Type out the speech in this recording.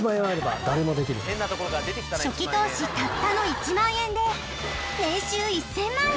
初期投資たったの１万円で年収１０００万円